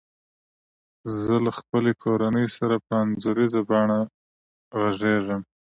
زه له خپلي کورنۍ سره په انځوریزه بڼه غږیږم.